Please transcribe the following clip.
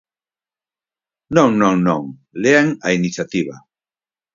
Non, non, non, lean a iniciativa.